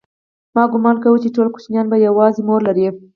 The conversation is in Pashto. ما گومان کاوه چې ټول کوچنيان به يوازې مور لري.